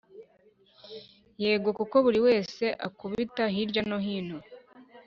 Yego kuko buri wese akubita hirya no hino